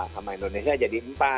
sama indonesia jadi empat